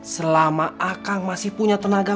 selama akang masih punya tenaga